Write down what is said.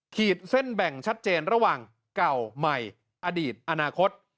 ขีดเส้นแบ่งชัดเจนระหว่างเก่าใหม่อดีตอนาคต